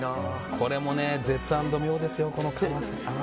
これも絶アンド妙ですよ。